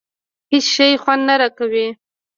هېڅ شي خوند نه راکاوه.